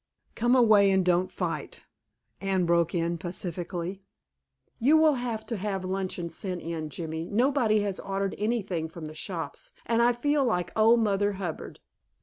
"Come away and don't fight," Anne broke in pacifically. "You will have to have luncheon sent in, Jimmy; nobody has ordered anything from the shops, and I feel like old Mother Hubbard."